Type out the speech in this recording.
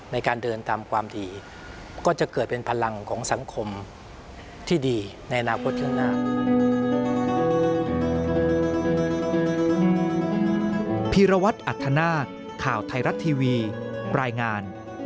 ในการเดินตามความดีก็จะเกิดเป็นพลังของสังคมที่ดีในอนาคตข้างหน้า